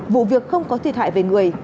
vụ việc không có thiệt hại về người